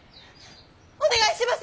お願いします！